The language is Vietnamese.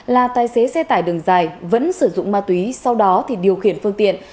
là tài xế xe tải đường dài vẫn sử dụng ma túy sau đó thì điều khiển phương tiện